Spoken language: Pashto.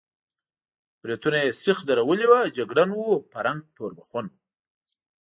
برېتونه یې سېخ درولي وو، جګړن و، په رنګ تور بخون و.